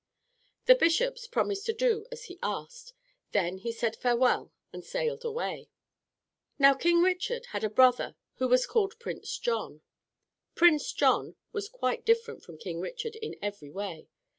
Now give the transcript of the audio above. The bishops promised to do as he asked. Then he said farewell and sailed away. Now King Richard had a brother who was called Prince John. Prince John was quite different from King Richard in every way.